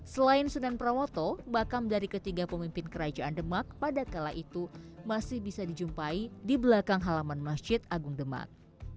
selain sunan pramoto makam dari ketiga pemimpin kerajaan demak pada kala itu masih bisa dijumpai di belakang halaman masjid agung demak